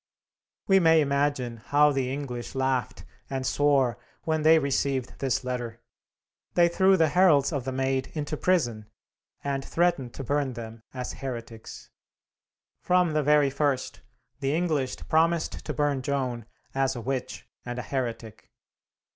We may imagine how the English laughed and swore when they received this letter. They threw the heralds of the Maid into prison, and threatened to burn them as heretics. From the very first, the English promised to burn Joan as a witch and a heretic.